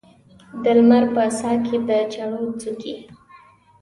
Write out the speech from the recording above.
د لمر په ساه کې د چړو څوکې